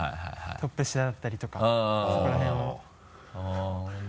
トップ下だったりとかそこら辺をうんうん。